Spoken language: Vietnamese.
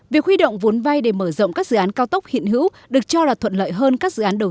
việc huy động vốn vay để mở rộng các dự án cao tốc hiện hữu được cho là thuận lợi hơn các dự án đầu